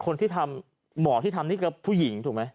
คนที่ทำหมอที่ทำนี่ก็ผู้หญิงถูกไหม